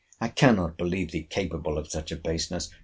I cannot believe thee capable of such a baseness.